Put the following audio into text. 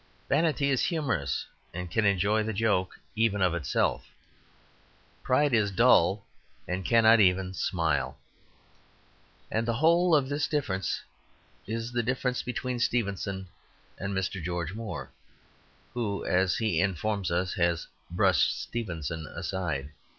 Vanity is humorous, and can enjoy the joke even of itself; pride is dull, and cannot even smile. And the whole of this difference is the difference between Stevenson and Mr. George Moore, who, as he informs us, has "brushed Stevenson aside."